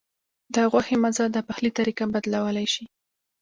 د غوښې مزه د پخلي طریقه بدلولی شي.